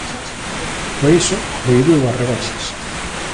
Por iso, prohibiu as rebaixas.